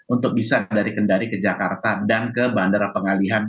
untuk bisa dari kendari ke jakarta dan ke bandara pengalihan